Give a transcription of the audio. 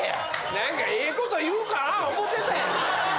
何かええ事言うかな思てたやん。